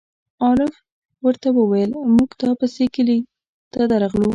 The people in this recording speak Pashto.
عارف ور ته وویل: مونږ تا پسې کلي ته درغلو.